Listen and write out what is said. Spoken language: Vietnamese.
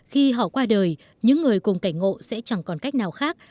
khi họ qua đời những người cùng cảnh ngộ sẽ chẳng còn cách nào khác